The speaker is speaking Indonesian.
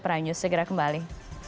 prae news segera kembali